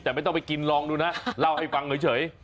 แต่ไม่ต้องไปกินลองดูนะเล่าให้ฟังเฉย